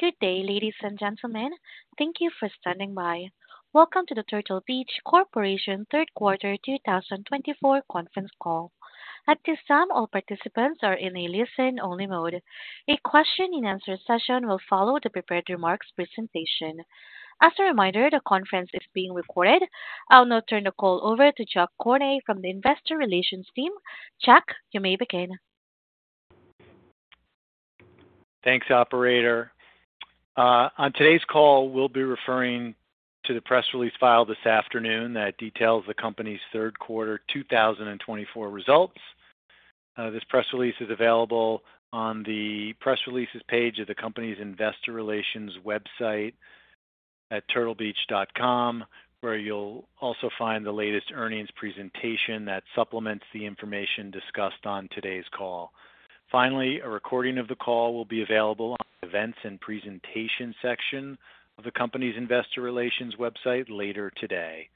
Good day, ladies and gentlemen. Thank you for standing by. Welcome to the Turtle Beach Corporation Third Quarter 2024 conference call. At this time, all participants are in a listen-only mode. A question-and-answer session will follow the prepared remarks presentation. As a reminder, the conference is being recorded. I'll now turn the call over to Chuck Corney from the Investor Relations Team. Chuck, you may begin. Thanks, Operator. On today's call, we'll be referring to the press release filed this afternoon that details the company's Third Quarter 2024 results. This press release is available on the press releases page of the company's Investor Relations website at turtlebeach.com, where you'll also find the latest earnings presentation that supplements the information discussed on today's call. Finally, a recording of the call will be available on the Events and Presentation section of the company's Investor Relations website later today.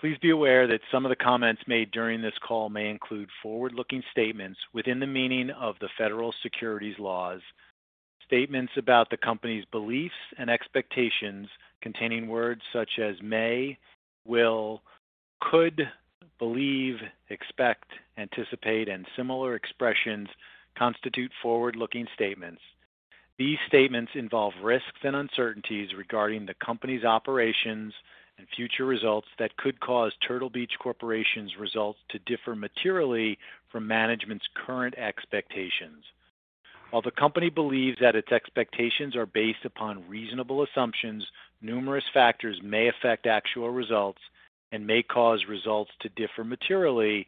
Please be aware that some of the comments made during this call may include forward-looking statements within the meaning of the federal securities laws. Statements about the company's beliefs and expectations, containing words such as may, will, could, believe, expect, anticipate, and similar expressions, constitute forward-looking statements. These statements involve risks and uncertainties regarding the company's operations and future results that could cause Turtle Beach Corporation's results to differ materially from management's current expectations. While the company believes that its expectations are based upon reasonable assumptions, numerous factors may affect actual results and may cause results to differ materially,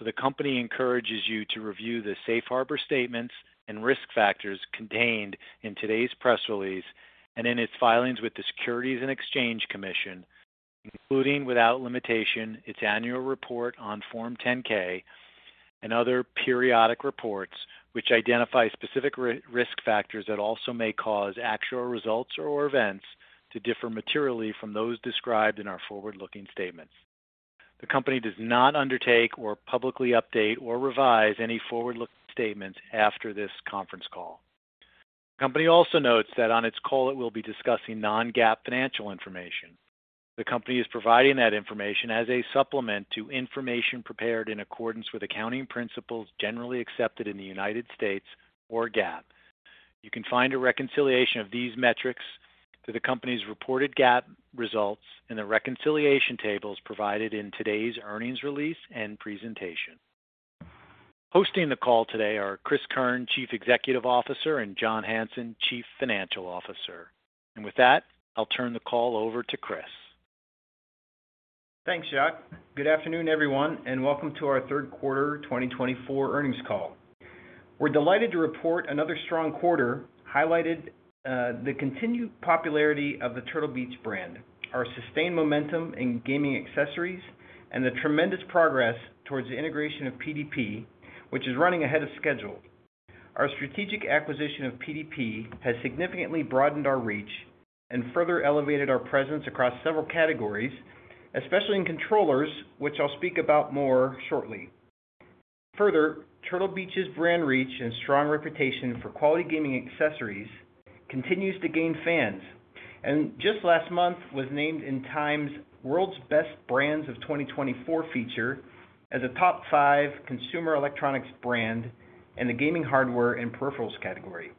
so the company encourages you to review the safe harbor statements and risk factors contained in today's press release and in its filings with the Securities and Exchange Commission, including without limitation its annual report on Form 10-K and other periodic reports which identify specific risk factors that also may cause actual results or events to differ materially from those described in our forward-looking statements. The company does not undertake or publicly update or revise any forward-looking statements after this conference call. The company also notes that on its call it will be discussing non-GAAP financial information. The company is providing that information as a supplement to information prepared in accordance with accounting principles generally accepted in the United States, or GAAP. You can find a reconciliation of these metrics to the company's reported GAAP results in the reconciliation tables provided in today's earnings release and presentation. Hosting the call today are Cris Keirn, Chief Executive Officer, and John Hanson, Chief Financial Officer. With that, I'll turn the call over to Cris. Thanks, Chuck. Good afternoon, everyone, and welcome to our Third Quarter 2024 earnings call. We're delighted to report another strong quarter highlighted the continued popularity of the Turtle Beach brand, our sustained momentum in gaming accessories, and the tremendous progress towards the integration of PDP, which is running ahead of schedule. Our strategic acquisition of PDP has significantly broadened our reach and further elevated our presence across several categories, especially in controllers, which I'll speak about more shortly. Further, Turtle Beach's brand reach and strong reputation for quality gaming accessories continues to gain fans and just last month was named in Time's World's Best Brands of 2024 feature as a top five consumer electronics brand in the gaming hardware and peripherals category.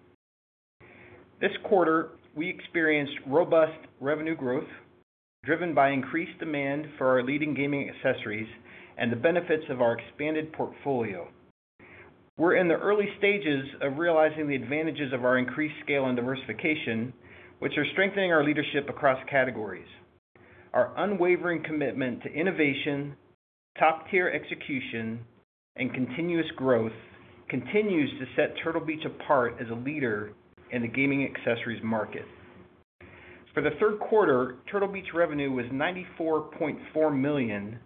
This quarter, we experienced robust revenue growth driven by increased demand for our leading gaming accessories and the benefits of our expanded portfolio. We're in the early stages of realizing the advantages of our increased scale and diversification, which are strengthening our leadership across categories. Our unwavering commitment to innovation, top-tier execution, and continuous growth continues to set Turtle Beach apart as a leader in the gaming accessories market. For the third quarter, Turtle Beach revenue was $94.4 million,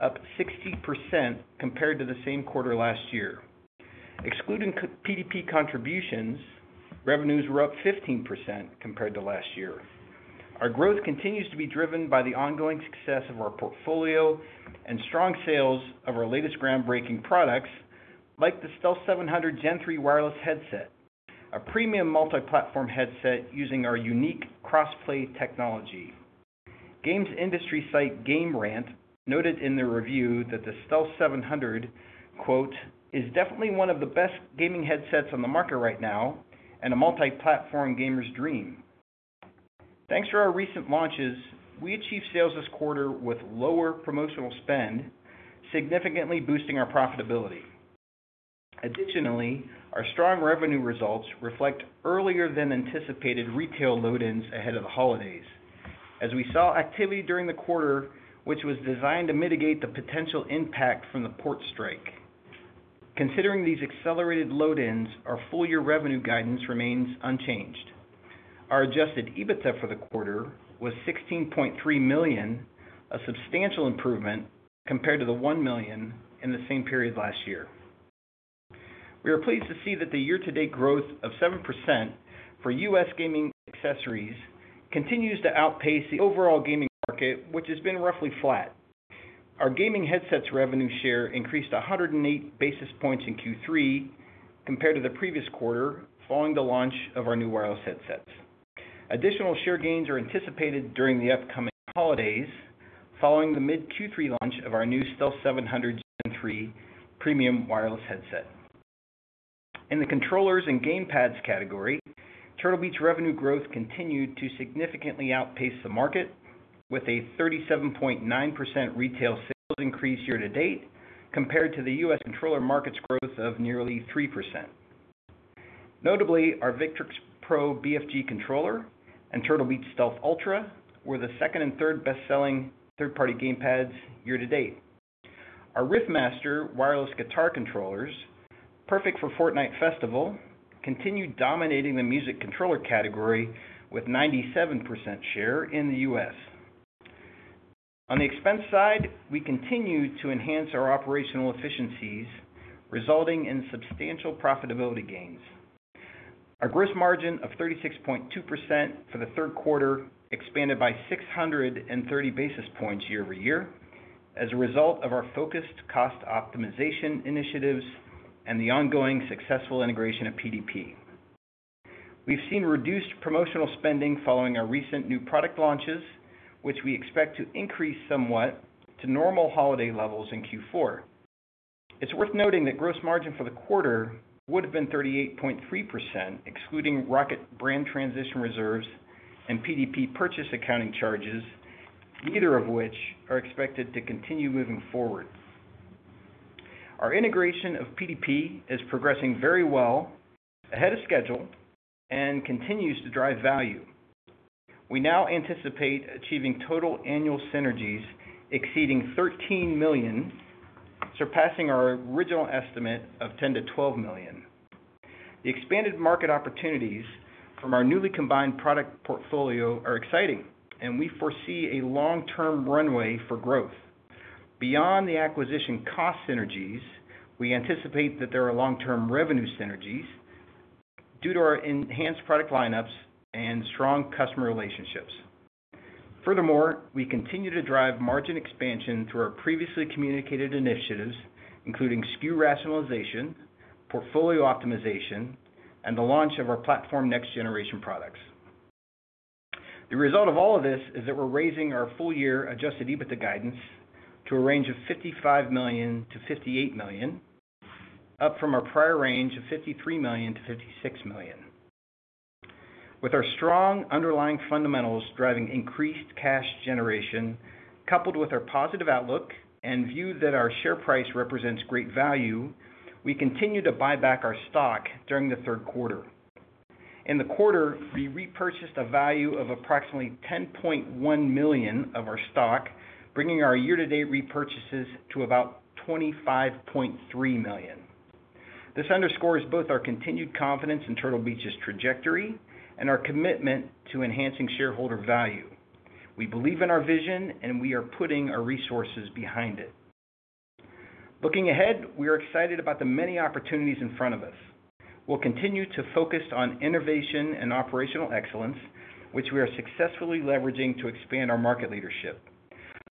up 60% compared to the same quarter last year. Excluding PDP contributions, revenues were up 15% compared to last year. Our growth continues to be driven by the ongoing success of our portfolio and strong sales of our latest groundbreaking products like the Stealth 700 Gen 3 wireless headset, a premium multi-platform headset using our unique CrossPlay technology. Games industry site Game Rant noted in their review that the Stealth 700 "is definitely one of the best gaming headsets on the market right now and a multi-platform gamer's dream." Thanks to our recent launches, we achieved sales this quarter with lower promotional spend, significantly boosting our profitability. Additionally, our strong revenue results reflect earlier-than-anticipated retail load-ins ahead of the holidays, as we saw activity during the quarter, which was designed to mitigate the potential impact from the port strike. Considering these accelerated load-ins, our full-year revenue guidance remains unchanged. Our Adjusted EBITDA for the quarter was $16.3 million, a substantial improvement compared to the $1 million in the same period last year. We are pleased to see that the year-to-date growth of 7% for U.S. gaming accessories continues to outpace the overall gaming market, which has been roughly flat. Our gaming headsets revenue share increased 108 basis points in Q3 compared to the previous quarter following the launch of our new wireless headsets. Additional share gains are anticipated during the upcoming holidays following the mid-Q3 launch of our new Stealth 700 Gen 3 premium wireless headset. In the controllers and gamepads category, Turtle Beach revenue growth continued to significantly outpace the market, with a 37.9% retail sales increase year-to-date compared to the U.S. controller market's growth of nearly 3%. Notably, our Victrix Pro BFG controller and Turtle Beach Stealth Ultra were the second and third best-selling third-party gamepads year-to-date. Our Riffmaster wireless guitar controllers, perfect for Fortnite Festival, continued dominating the music controller category with 97% share in the U.S. On the expense side, we continue to enhance our operational efficiencies, resulting in substantial profitability gains. Our gross margin of 36.2% for the third quarter expanded by 630 basis points year-over-year as a result of our focused cost optimization initiatives and the ongoing successful integration of PDP. We've seen reduced promotional spending following our recent new product launches, which we expect to increase somewhat to normal holiday levels in Q4. It's worth noting that gross margin for the quarter would have been 38.3%, excluding ROCCAT brand transition reserves and PDP purchase accounting charges, neither of which are expected to continue moving forward. Our integration of PDP is progressing very well ahead of schedule and continues to drive value. We now anticipate achieving total annual synergies exceeding $13 million, surpassing our original estimate of $10 million-$12 million. The expanded market opportunities from our newly combined product portfolio are exciting, and we foresee a long-term runway for growth. Beyond the acquisition cost synergies, we anticipate that there are long-term revenue synergies due to our enhanced product lineups and strong customer relationships. Furthermore, we continue to drive margin expansion through our previously communicated initiatives, including SKU rationalization, portfolio optimization, and the launch of our platform next-generation products. The result of all of this is that we're raising our full-year Adjusted EBITDA guidance to a range of $55 million-$58 million, up from our prior range of $53 million-$56 million. With our strong underlying fundamentals driving increased cash generation, coupled with our positive outlook and view that our share price represents great value, we continue to buy back our stock during the third quarter. In the quarter, we repurchased a value of approximately $10.1 million of our stock, bringing our year-to-date repurchases to about $25.3 million. This underscores both our continued confidence in Turtle Beach's trajectory and our commitment to enhancing shareholder value. We believe in our vision, and we are putting our resources behind it. Looking ahead, we are excited about the many opportunities in front of us. We'll continue to focus on innovation and operational excellence, which we are successfully leveraging to expand our market leadership.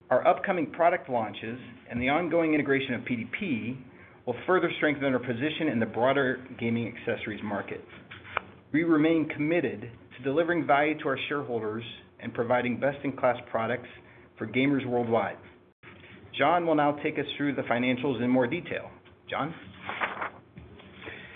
Our upcoming product launches and the ongoing integration of PDP will further strengthen our position in the broader gaming accessories market. We remain committed to delivering value to our shareholders and providing best-in-class products for gamers worldwide. John will now take us through the financials in more detail. John?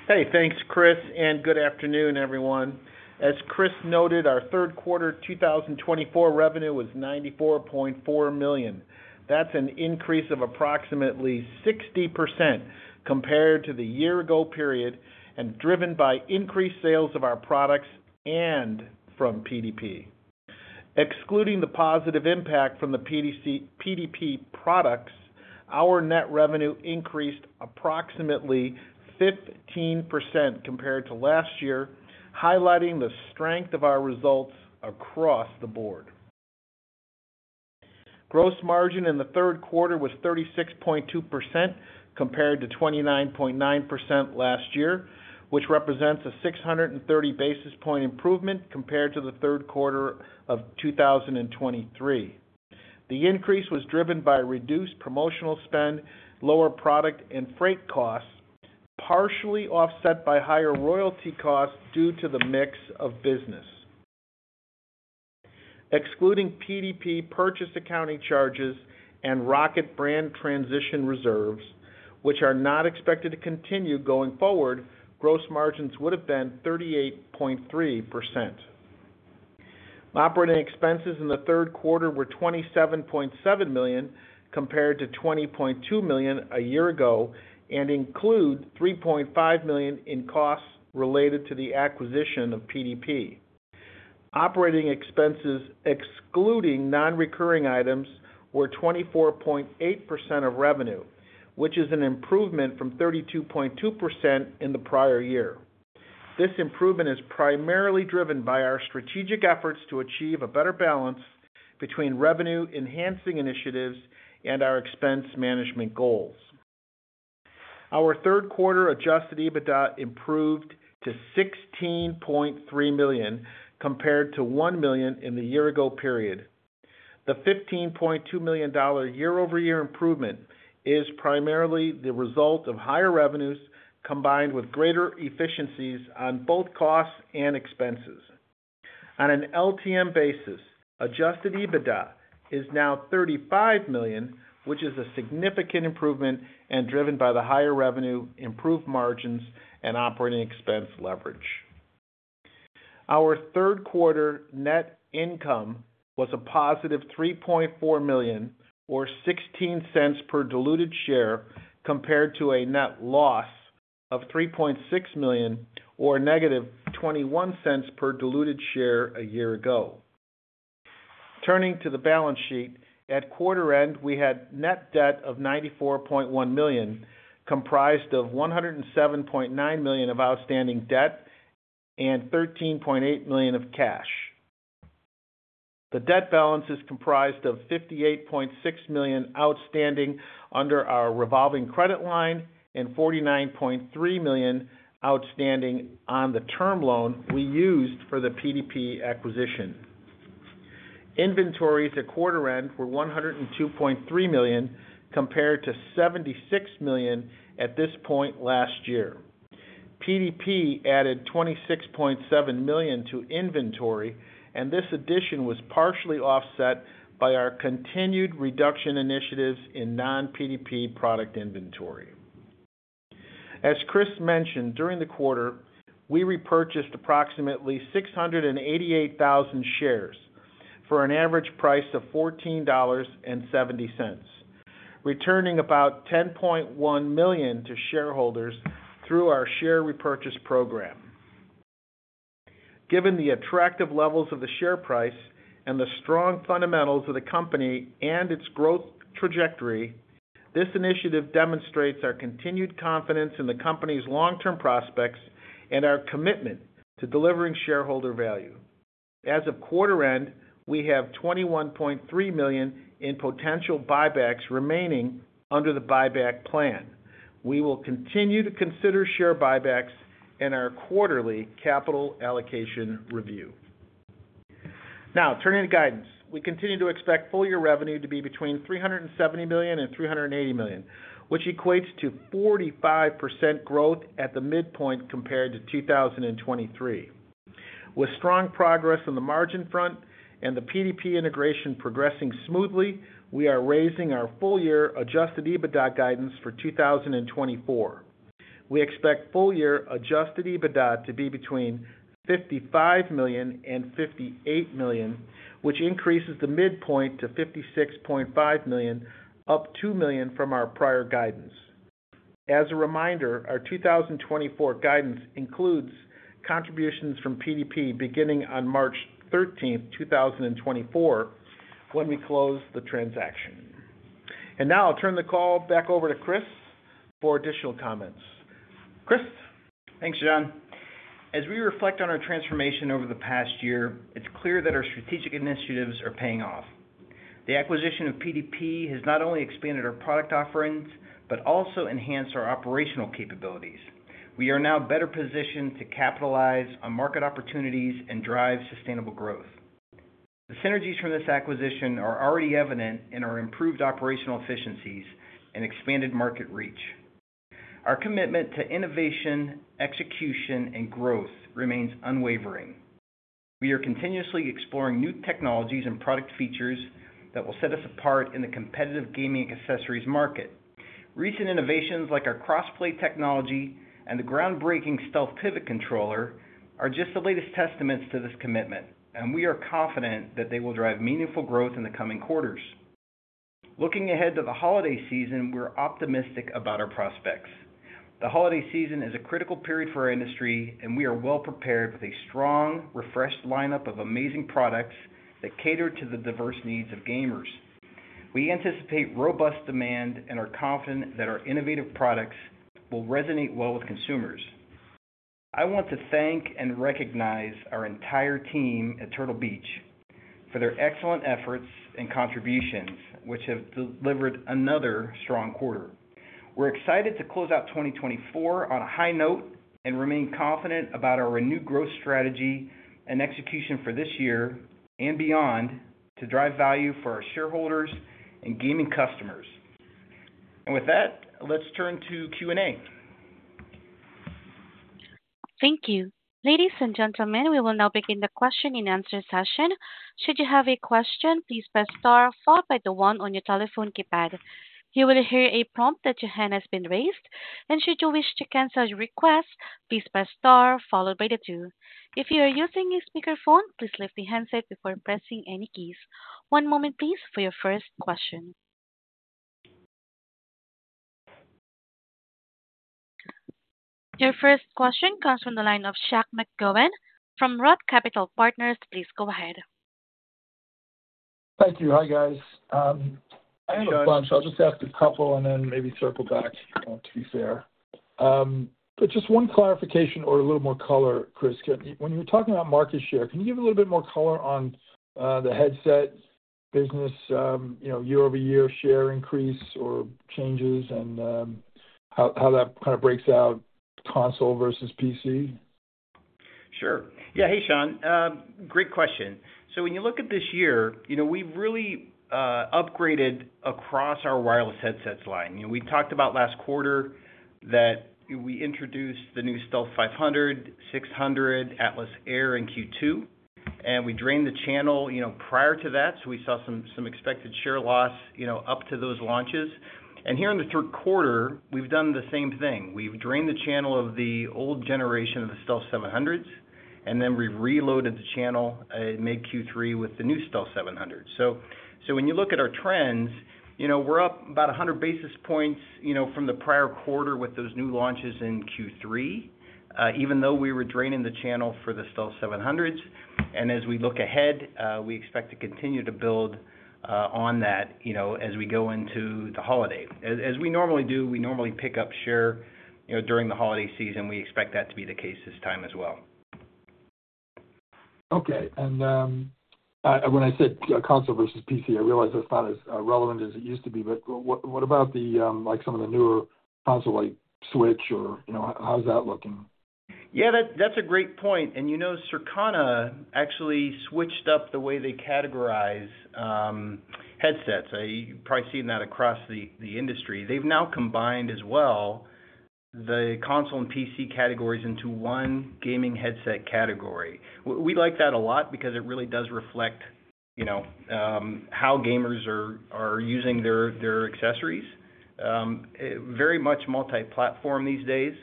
Hey, thanks, Cris, and good afternoon, everyone. As Cris noted, our third quarter 2024 revenue was $94.4 million. That's an increase of approximately 60% compared to the year-ago period and driven by increased sales of our products and from PDP. Excluding the positive impact from the PDP products, our net revenue increased approximately 15% compared to last year, highlighting the strength of our results across the board. Gross margin in the third quarter was 36.2% compared to 29.9% last year, which represents a 630 basis point improvement compared to the third quarter of 2023. The increase was driven by reduced promotional spend, lower product and freight costs, partially offset by higher royalty costs due to the mix of business. Excluding PDP purchase accounting charges and ROCCAT brand transition reserves, which are not expected to continue going forward, gross margins would have been 38.3%. Operating expenses in the third quarter were $27.7 million compared to $20.2 million a year ago and include $3.5 million in costs related to the acquisition of PDP. Operating expenses excluding non-recurring items were 24.8% of revenue, which is an improvement from 32.2% in the prior year. This improvement is primarily driven by our strategic efforts to achieve a better balance between revenue-enhancing initiatives and our expense management goals. Our third quarter Adjusted EBITDA improved to $16.3 million compared to $1 million in the year-ago period. The $15.2 million year-over-year improvement is primarily the result of higher revenues combined with greater efficiencies on both costs and expenses. On an LTM basis, Adjusted EBITDA is now $35 million, which is a significant improvement and driven by the higher revenue, improved margins, and operating expense leverage. Our third quarter net income was a positive $3.4 million, or $0.16 per diluted share, compared to a net loss of $3.6 million, or negative $0.21 per diluted share a year ago. Turning to the balance sheet, at quarter end, we had net debt of $94.1 million, comprised of $107.9 million of outstanding debt and $13.8 million of cash. The debt balance is comprised of $58.6 million outstanding under our revolving credit line and $49.3 million outstanding on the term loan we used for the PDP acquisition. Inventories at quarter end were $102.3 million compared to $76 million at this point last year. PDP added $26.7 million to inventory, and this addition was partially offset by our continued reduction initiatives in non-PDP product inventory. As Cris mentioned, during the quarter, we repurchased approximately 688,000 shares for an average price of $14.70, returning about $10.1 million to shareholders through our share repurchase program. Given the attractive levels of the share price and the strong fundamentals of the company and its growth trajectory, this initiative demonstrates our continued confidence in the company's long-term prospects and our commitment to delivering shareholder value. As of quarter end, we have $21.3 million in potential buybacks remaining under the buyback plan. We will continue to consider share buybacks in our quarterly capital allocation review. Now, turning to guidance, we continue to expect full-year revenue to be between $370 million and $380 million, which equates to 45% growth at the midpoint compared to 2023. With strong progress on the margin front and the PDP integration progressing smoothly, we are raising our full-year Adjusted EBITDA guidance for 2024. We expect full-year Adjusted EBITDA to be between $55 million and $58 million, which increases the midpoint to $56.5 million, up $2 million from our prior guidance. As a reminder, our 2024 guidance includes contributions from PDP beginning on March 13, 2024, when we close the transaction. And now I'll turn the call back over to Cris for additional comments. Cris? Thanks, John. As we reflect on our transformation over the past year, it's clear that our strategic initiatives are paying off. The acquisition of PDP has not only expanded our product offerings but also enhanced our operational capabilities. We are now better positioned to capitalize on market opportunities and drive sustainable growth. The synergies from this acquisition are already evident in our improved operational efficiencies and expanded market reach. Our commitment to innovation, execution, and growth remains unwavering. We are continuously exploring new technologies and product features that will set us apart in the competitive gaming accessories market. Recent innovations like our CrossPlay technology and the groundbreaking Stealth Pivot Controller are just the latest testaments to this commitment, and we are confident that they will drive meaningful growth in the coming quarters. Looking ahead to the holiday season, we're optimistic about our prospects. The holiday season is a critical period for our industry, and we are well-prepared with a strong, refreshed lineup of amazing products that cater to the diverse needs of gamers. We anticipate robust demand and are confident that our innovative products will resonate well with consumers. I want to thank and recognize our entire team at Turtle Beach for their excellent efforts and contributions, which have delivered another strong quarter. We're excited to close out 2024 on a high note and remain confident about our renewed growth strategy and execution for this year and beyond to drive value for our shareholders and gaming customers, and with that, let's turn to Q&A. Thank you. Ladies and gentlemen, we will now begin the question-and-answer session. Should you have a question, please press star followed by the one on your telephone keypad. You will hear a prompt that your hand has been raised, and should you wish to cancel your request, please press star followed by the two. If you are using a speakerphone, please lift the handset before pressing any keys. One moment, please, for your first question. Your first question comes from the line of Sean McGowan from ROTH Capital Partners. Please go ahead. Thank you. Hi, guys. I have a question. I'll just ask a couple and then maybe circle back, to be fair. But just one clarification or a little more color, Cris. When you were talking about market share, can you give a little bit more color on the headset business, year-over-year share increase or changes, and how that kind of breaks out console versus PC? Sure. Yeah. Hey, Sean. Great question. So when you look at this year, we've really upgraded across our wireless headsets line. We talked about last quarter that we introduced the new Stealth 500, 600, Atlas Air, in Q2, and we drained the channel prior to that, so we saw some expected share loss up to those launches. And here in the third quarter, we've done the same thing. We've drained the channel of the old generation of the Stealth 700s, and then we've reloaded the channel and made in Q3 with the new Stealth 700s. So when you look at our trends, we're up about 100 basis points from the prior quarter with those new launches in Q3, even though we were draining the channel for the Stealth 700s. And as we look ahead, we expect to continue to build on that as we go into the holiday. As we normally do, we normally pick up share during the holiday season. We expect that to be the case this time as well. Okay. And when I said console versus PC, I realize that's not as relevant as it used to be, but what about some of the newer console, like Switch, or how's that looking? Yeah, that's a great point. Circana actually switched up the way they categorize headsets. You've probably seen that across the industry. They've now combined as well the console and PC categories into one gaming headset category. We like that a lot because it really does reflect how gamers are using their accessories. Very much multi-platform these days.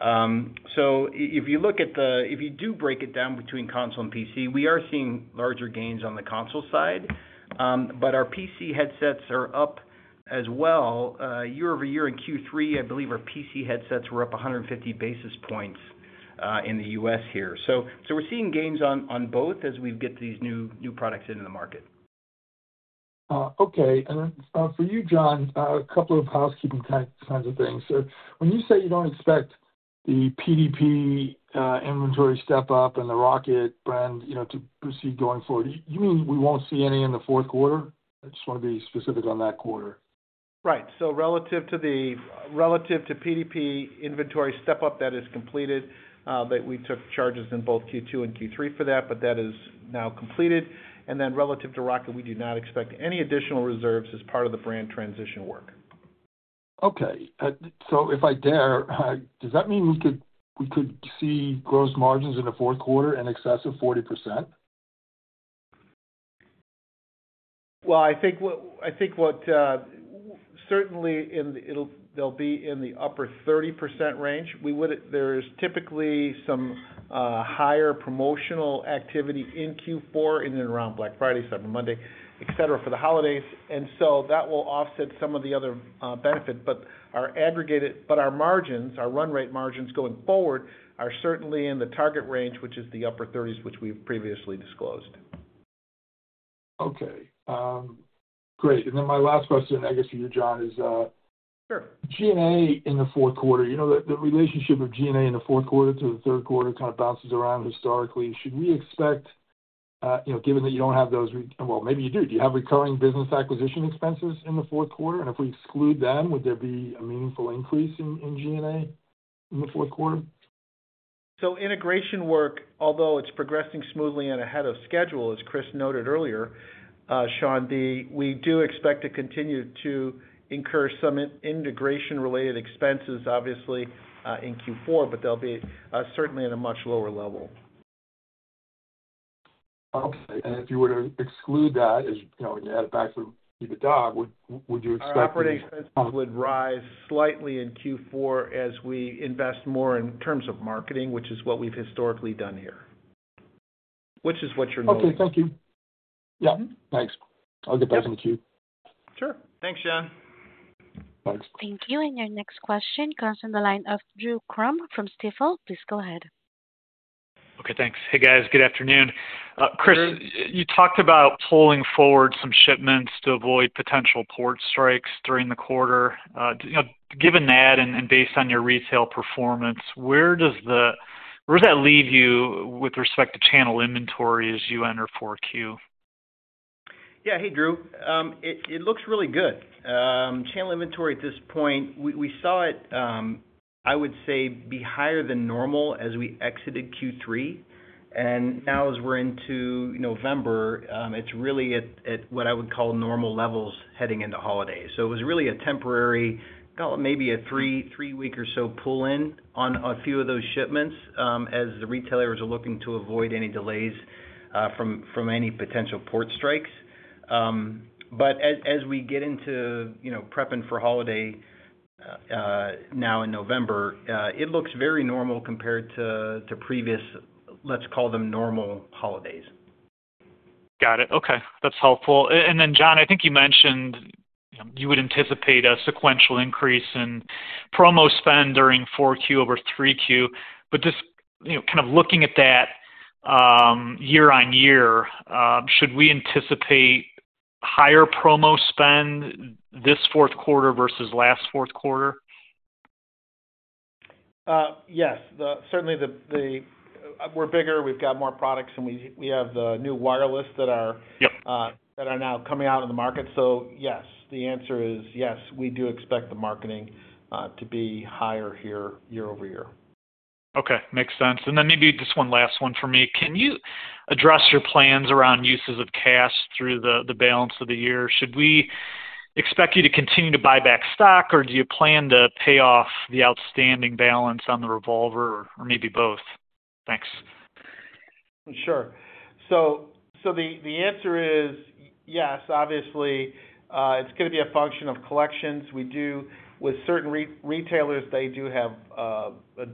So if you do break it down between console and PC, we are seeing larger gains on the console side, but our PC headsets are up as well. Year-over-year in Q3, I believe our PC headsets were up 150 basis points in the U.S. here. So we're seeing gains on both as we get these new products into the market. Okay. And for you, John, a couple of housekeeping kinds of things. So when you say you don't expect the PDP inventory step-up and the ROCCAT brand to proceed going forward, you mean we won't see any in the fourth quarter? I just want to be specific on that quarter. Right. So relative to PDP inventory step-up that is completed, that we took charges in both Q2 and Q3 for that, but that is now completed. And then relative to ROCCAT, we do not expect any additional reserves as part of the brand transition work. Okay. So if I dare, does that mean we could see gross margins in the fourth quarter in excess of 40%? I think certainly they'll be in the upper 30% range. There is typically some higher promotional activity in Q4 and then around Black Friday, Cyber Monday, etc., for the holidays. And so that will offset some of the other benefits. But our margins, our run rate margins going forward, are certainly in the target range, which is the upper 30s, which we've previously disclosed. Okay. Great. And then my last question, I guess for you, John, is G&A in the fourth quarter. The relationship of G&A in the fourth quarter to the third quarter kind of bounces around historically. Should we expect, given that you don't have those, maybe you do. Do you have recurring business acquisition expenses in the fourth quarter? And if we exclude them, would there be a meaningful increase in G&A in the fourth quarter? Integration work, although it's progressing smoothly and ahead of schedule, as Cris noted earlier, Sean, we do expect to continue to incur some integration-related expenses, obviously, in Q4, but they'll be certainly at a much lower level. Okay. And if you were to exclude that, when you add it back to EBITDA, would you expect? Operating expenses would rise slightly in Q4 as we invest more in terms of marketing, which is what we've historically done here, which is what you're noticing. Okay. Thank you. Yeah. Thanks. I'll get back in the queue. Sure. Thanks, John. Thanks. Thank you. And your next question comes from the line of Drew Crum from Stifel. Please go ahead. Okay. Thanks. Hey, guys. Good afternoon. Cris, you talked about pulling forward some shipments to avoid potential port strikes during the quarter. Given that and based on your retail performance, where does that leave you with respect to channel inventory as you enter fourth Q? Yeah. Hey, Drew. It looks really good. Channel inventory at this point, we saw it, I would say, be higher than normal as we exited Q3. And now as we're into November, it's really at what I would call normal levels heading into holidays. So it was really a temporary, maybe a three-week or so pull-in on a few of those shipments as the retailers are looking to avoid any delays from any potential port strikes. But as we get into prepping for holiday now in November, it looks very normal compared to previous, let's call them normal holidays. Got it. Okay. That's helpful. And then, John, I think you mentioned you would anticipate a sequential increase in promo spend during fourth Q over three Q. But just kind of looking at that year-on-year, should we anticipate higher promo spend this fourth quarter versus last fourth quarter? Yes. Certainly, we're bigger. We've got more products, and we have the new wireless that are now coming out in the market. So yes, the answer is yes. We do expect the marketing to be higher here year-over-year. Okay. Makes sense. And then maybe just one last one for me. Can you address your plans around uses of cash through the balance of the year? Should we expect you to continue to buy back stock, or do you plan to pay off the outstanding balance on the revolver, or maybe both? Thanks. Sure. So the answer is yes. Obviously, it's going to be a function of collections. With certain retailers, they do have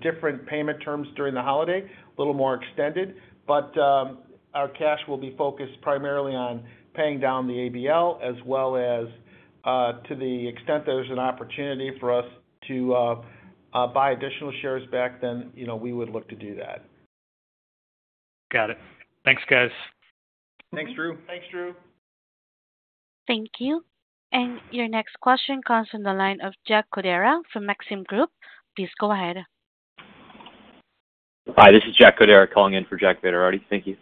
different payment terms during the holiday, a little more extended. But our cash will be focused primarily on paying down the ABL, as well as to the extent there's an opportunity for us to buy additional shares back, then we would look to do that. Got it. Thanks, guys. Thanks, Drew. Thanks, Drew. Thank you. And your next question comes from the line of Jack Cordera from Maxim Group. Please go ahead. Hi. This is Jack Cordera calling in for Jack Vander Aarde. Thank you.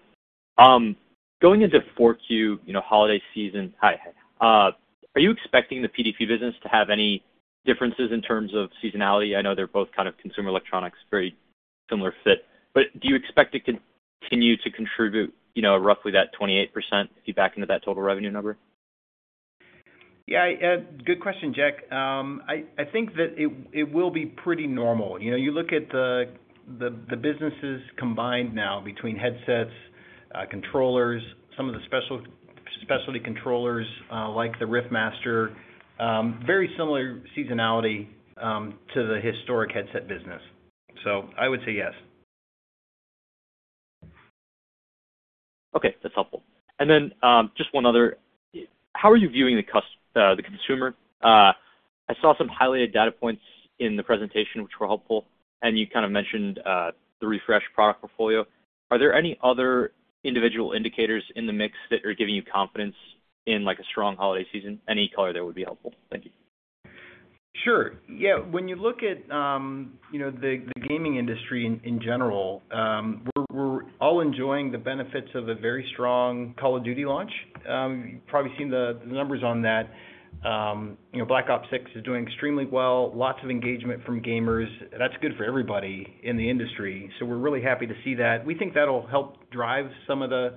Going into fourth Q holiday season, are you expecting the PDP business to have any differences in terms of seasonality? I know they're both kind of consumer electronics, very similar fit. But do you expect it to continue to contribute roughly that 28% if you back into that total revenue number? Yeah. Good question, Jack. I think that it will be pretty normal. You look at the businesses combined now between headsets, controllers, some of the specialty controllers like the Riffmaster, very similar seasonality to the historic headset business. So I would say yes. Okay. That's helpful. And then just one other, how are you viewing the consumer? I saw some highlighted data points in the presentation, which were helpful, and you kind of mentioned the refreshed product portfolio. Are there any other individual indicators in the mix that are giving you confidence in a strong holiday season? Any color there would be helpful. Thank you. Sure. Yeah. When you look at the gaming industry in general, we're all enjoying the benefits of a very strong Call of Duty launch. You've probably seen the numbers on that. Black Ops 6 is doing extremely well. Lots of engagement from gamers. That's good for everybody in the industry. So we're really happy to see that. We think that'll help drive some of the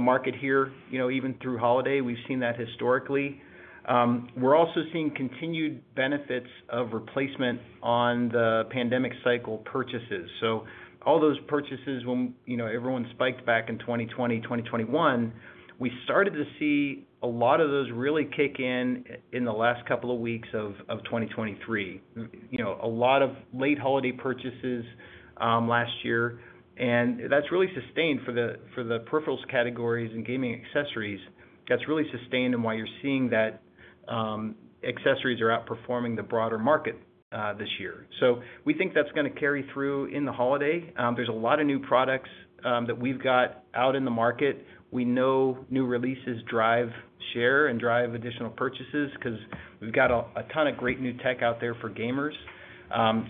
market here, even through holiday. We've seen that historically. We're also seeing continued benefits of replacement on the pandemic cycle purchases. So all those purchases, when everyone spiked back in 2020, 2021, we started to see a lot of those really kick in in the last couple of weeks of 2023. A lot of late holiday purchases last year, and that's really sustained for the peripherals categories and gaming accessories. That's really sustained, and why you're seeing that accessories are outperforming the broader market this year. So we think that's going to carry through in the holiday. There's a lot of new products that we've got out in the market. We know new releases drive share and drive additional purchases because we've got a ton of great new tech out there for gamers.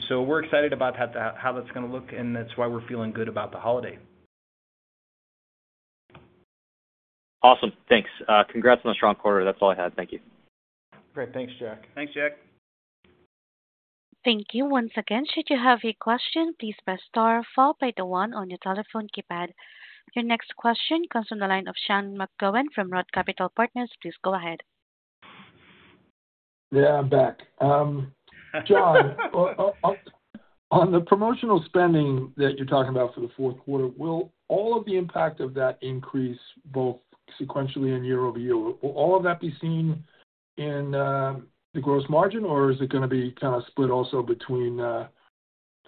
So we're excited about how that's going to look, and that's why we're feeling good about the holiday. Awesome. Thanks. Congrats on a strong quarter. That's all I had. Thank you. Great. Thanks, Jack. Thanks, Jack. Thank you once again. Should you have a question, please press star followed by the one on your telephone keypad. Your next question comes from the line of Sean McGowan from ROTH Capital Partners. Please go ahead. Yeah. I'm back. John, on the promotional spending that you're talking about for the fourth quarter, will all of the impact of that increase both sequentially and year-over-year, will all of that be seen in the gross margin, or is it going to be kind of split also between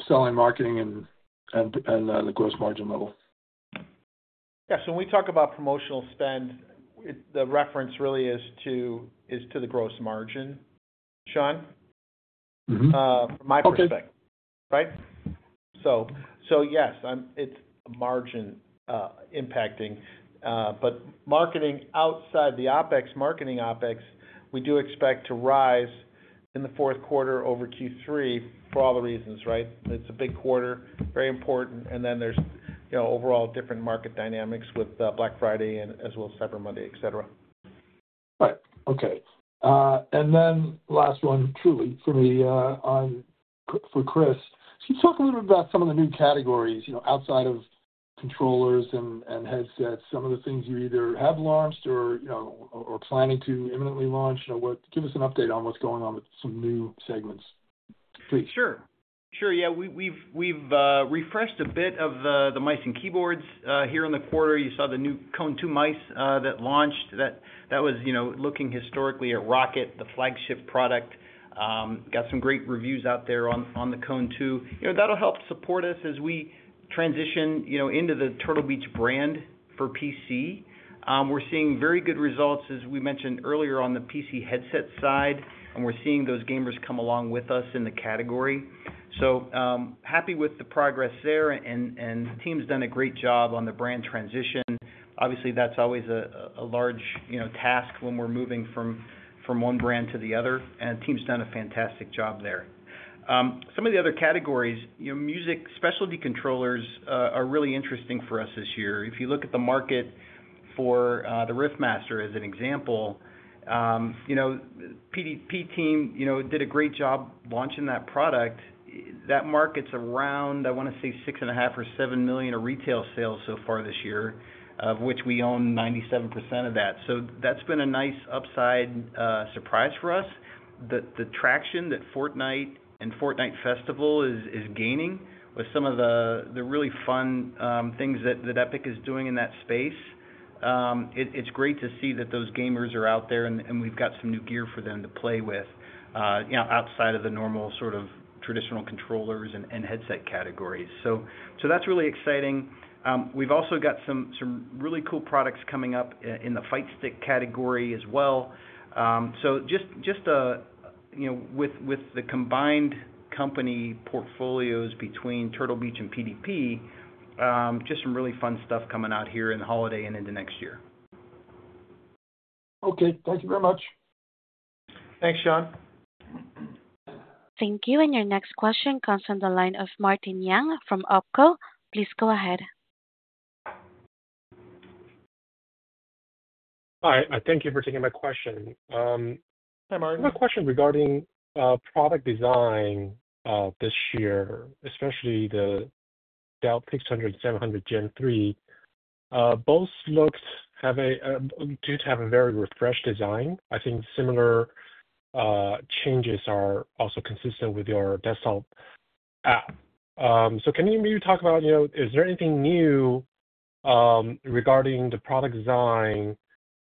selling, marketing, and the gross margin level? Yeah. So when we talk about promotional spend, the reference really is to the gross margin, Sean, from my perspective, right? So yes, it's margin impacting. But marketing outside the OpEx, marketing OpEx, we do expect to rise in the fourth quarter over Q3 for all the reasons, right? It's a big quarter, very important. And then there's overall different market dynamics with Black Friday as well as Cyber Monday, etc. Right. Okay. And then last one, truly for me, for Cris. Can you talk a little bit about some of the new categories outside of controllers and headsets? Some of the things you either have launched or planning to imminently launch? Give us an update on what's going on with some new segments, please. Sure. Sure. Yeah. We've refreshed a bit of the mice and keyboards here in the quarter. You saw the new Kone II mice that launched. That was looking historically at ROCCAT, the flagship product. Got some great reviews out there on the Kone II. That'll help support us as we transition into the Turtle Beach brand for PC. We're seeing very good results, as we mentioned earlier, on the PC headset side, and we're seeing those gamers come along with us in the category. So happy with the progress there, and the team's done a great job on the brand transition. Obviously, that's always a large task when we're moving from one brand to the other, and the team's done a fantastic job there. Some of the other categories, music specialty controllers are really interesting for us this year. If you look at the market for the Riffmaster as an example, PDP team did a great job launching that product. That market's around, I want to say, $6.5 million-$7 million of retail sales so far this year, of which we own 97% of that. So that's been a nice upside surprise for us. The traction that Fortnite and Fortnite Festival is gaining with some of the really fun things that Epic is doing in that space, it's great to see that those gamers are out there and we've got some new gear for them to play with outside of the normal sort of traditional controllers and headset categories. So that's really exciting. We've also got some really cool products coming up in the fight stick category as well. So just with the combined company portfolios between Turtle Beach and PDP, just some really fun stuff coming out here in the holiday and into next year. Okay. Thank you very much. Thanks, Sean. Thank you. And your next question comes from the line of Martin Yang from OpCo. Please go ahead. Hi. Thank you for taking my question. Hi, Martin. My question regarding product design this year, especially the Stealth 600 and 700 Gen 3, both look to have a very refreshed design. I think similar changes are also consistent with your desktop app. So can you maybe talk about, is there anything new regarding the product design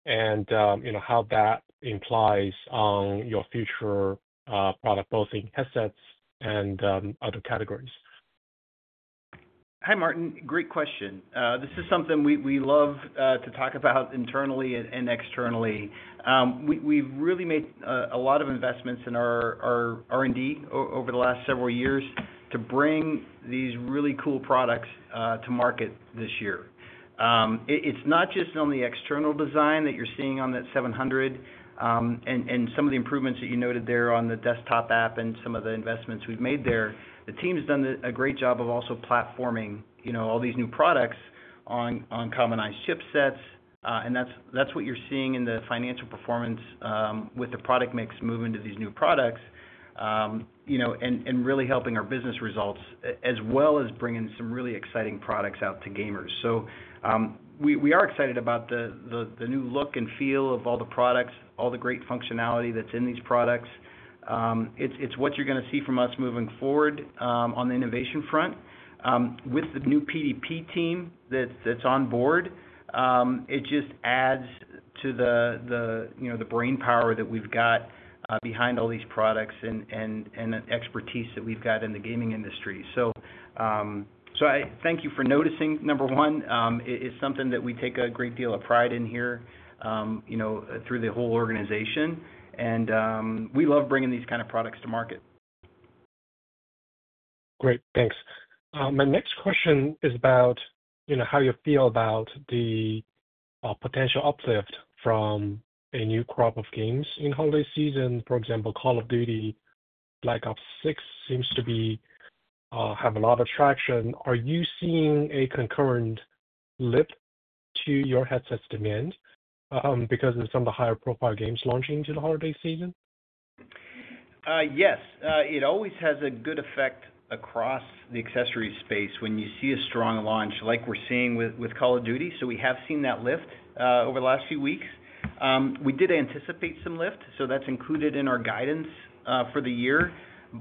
and how that implies on your future product, both in headsets and other categories? Hi, Martin. Great question. This is something we love to talk about internally and externally. We've really made a lot of investments in our R&D over the last several years to bring these really cool products to market this year. It's not just on the external design that you're seeing on that 700 and some of the improvements that you noted there on the desktop app and some of the investments we've made there. The team's done a great job of also platforming all these new products on commonized chipsets, and that's what you're seeing in the financial performance with the product mix moving to these new products and really helping our business results, as well as bringing some really exciting products out to gamers, so we are excited about the new look and feel of all the products, all the great functionality that's in these products. It's what you're going to see from us moving forward on the innovation front. With the new PDP team that's on board, it just adds to the brainpower that we've got behind all these products and expertise that we've got in the gaming industry. So thank you for noticing, number one. It's something that we take a great deal of pride in here through the whole organization, and we love bringing these kinds of products to market. Great. Thanks. My next question is about how you feel about the potential uplift from a new crop of games in holiday season. For example, Call of Duty: Black Ops 6 seems to have a lot of traction. Are you seeing a concurrent lift to your headset's demand because of some of the higher profile games launching into the holiday season? Yes. It always has a good effect across the accessory space when you see a strong launch like we're seeing with Call of Duty. So we have seen that lift over the last few weeks. We did anticipate some lift, so that's included in our guidance for the year.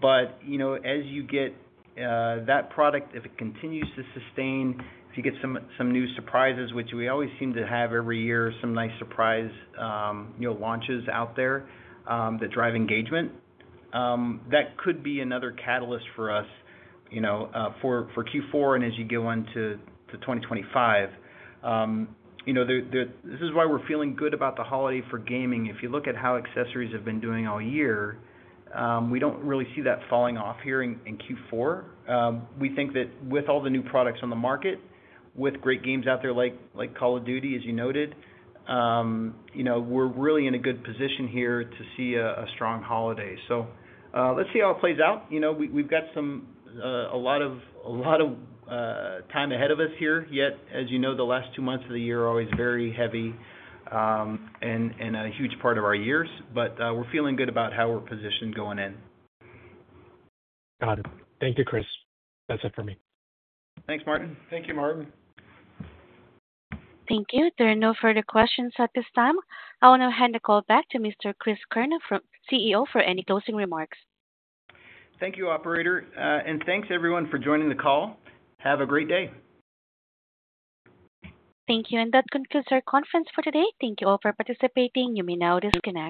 But as you get that product, if it continues to sustain, if you get some new surprises, which we always seem to have every year, some nice surprise launches out there that drive engagement, that could be another catalyst for us for Q4 and as you go into 2025. This is why we're feeling good about the holiday for gaming. If you look at how accessories have been doing all year, we don't really see that falling off here in Q4. We think that with all the new products on the market, with great games out there like Call of Duty, as you noted, we're really in a good position here to see a strong holiday, so let's see how it plays out. We've got a lot of time ahead of us here. Yet, as you know, the last two months of the year are always very heavy, and a huge part of our years, but we're feeling good about how we're positioned going in. Got it. Thank you, Cris. That's it for me. Thanks, Martin. Thank you, Martin. Thank you. There are no further questions at this time. I will now hand the call back to Mr. Cris Keirn, CEO, for any closing remarks. Thank you, Operator. And thanks, everyone, for joining the call. Have a great day. Thank you. And that concludes our conference for today. Thank you all for participating. You may now disconnect.